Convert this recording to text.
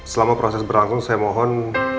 selama proses berlangsung saya mohon